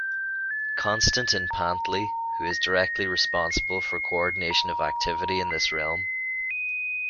Constantin Panteley, who is directly responsible for coordination of activity in this realm.